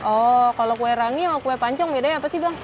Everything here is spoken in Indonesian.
oh kalau kue rangi sama kue pancong bedanya apa sih bang